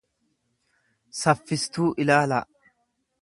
saffistuu ilaalaa.